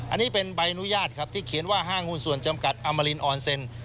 อันนี้เป็นใบอนุญาตครับที่เขียนว่าห้างหุ้นส่วนจำกัดอมรินออนเซ็น